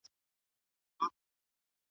د زړه ناروغانو ته څه لارښوونه کیږي؟